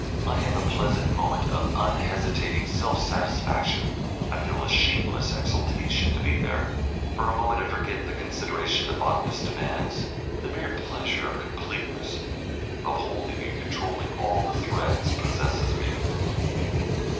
I have a pleasant moment of unhesitating self satisfaction; I feel a shameless exultation to be there. For a moment I forget the consideration the botanist demands; the mere pleasure of completeness, of holding and controlling all the threads possesses me.